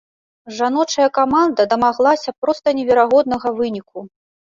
Жаночая каманда дамаглася проста неверагоднага выніку.